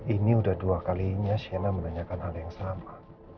ini udah dua kalinya shena menanyakan hal yang sama